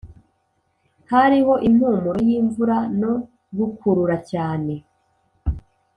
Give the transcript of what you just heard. hariho impumuro y'imvura no gukurura cyane